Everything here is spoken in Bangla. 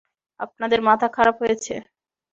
আপনাদের মাথা খারাপ হয়েছে?